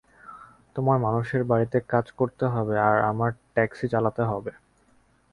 তোমার মানুষের বাড়িতে কাজ করতে হবে, আর আমার ট্যাক্সি চালাতে হবে।